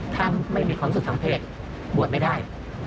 ถ้าไม่มีความสุขทางเพศบวชไม่ได้